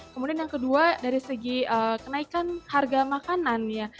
kemudian yang kedua dari segi kenaikan harga makanan ya